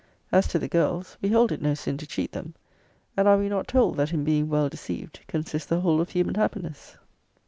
As to the girls, we hold it no sin to cheat them. And are we not told, that in being well deceived consists the whole of human happiness?